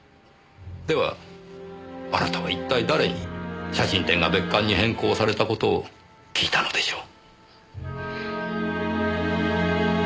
ではあなたは一体誰に写真展が別館に変更された事を聞いたのでしょう？